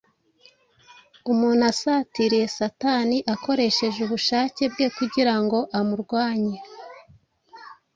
umuntu asatiriye Satani akoresheje ubushake bwe kugira ngo amurwanye,